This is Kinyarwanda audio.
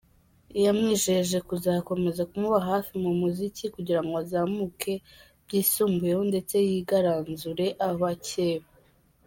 Yamwijeje kuzakomeza kumuba hafi mu muziki kugira ngo azamuka byisumbuyeho ndetse yigaranzure abakeba.